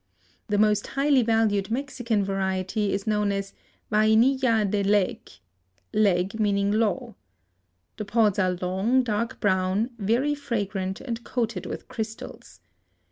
The most highly valued Mexican variety is known as Vainilla de leg (leg, meaning law). The pods are long, dark brown, very fragrant and coated with crystals.